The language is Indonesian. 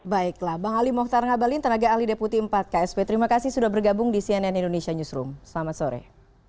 baiklah bang ali mokhtar ngabalin tenaga ahli deputi empat ksp terima kasih sudah bergabung di cnn indonesia newsroom selamat sore